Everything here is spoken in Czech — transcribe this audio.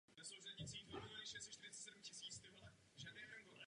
V jeho literární kariéře mu zpočátku pomáhal Romain Rolland.